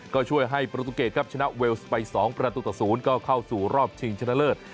ก็ช่วยให้ประตูเกตครับชนะเวลส์ไป๒ประตูต่อ๐ก็เข้าสู่รอบชิงชนะเลิศ